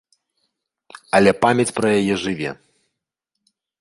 Але памяць пра яе жыве.